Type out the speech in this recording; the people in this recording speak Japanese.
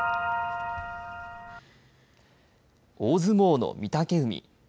大相撲の御嶽海。